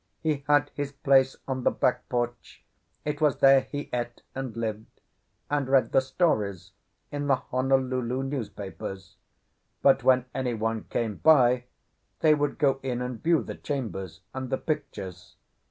He had his place on the back porch; it was there he ate and lived, and read the stories in the Honolulu newspapers; but when anyone came by they would go in and view the chambers and the pictures.